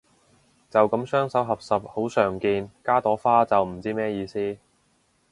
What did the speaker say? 就噉雙手合十好常見，加朵花就唔知咩意思